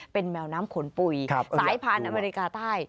เป็นแมวน้ำขนปุ๋ยสายพันธุ์อเมริกาใต้